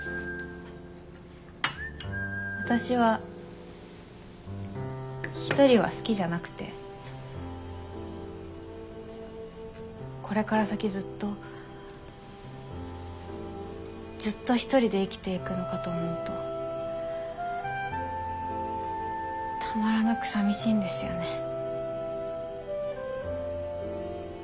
私は一人は好きじゃなくてこれから先ずっとずっと一人で生きていくのかと思うとたまらなく寂しいんですよね。